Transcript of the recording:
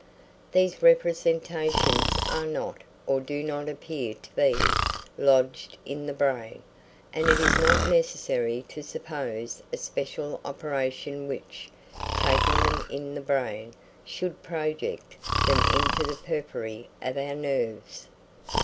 These representations are not, or do not appear to be, lodged in the brain; and it is not necessary to suppose a special operation which, taking them in the brain, should project them to the periphery of our nerves.